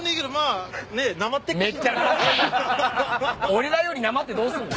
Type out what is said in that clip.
俺らよりなまってどうすんの。